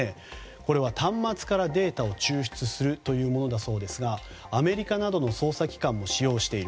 これは端末から、データを抽出するものだそうですがアメリカなどの捜査機関も使用している。